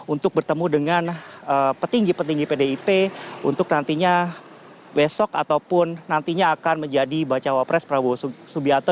untuk bertemu dengan petinggi petinggi pdip untuk nantinya besok ataupun nantinya akan menjadi bacawa pres prabowo subianto